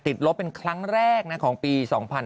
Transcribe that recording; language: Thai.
ติดลบเป็นครั้งแรกนะของปี๒๕๖๒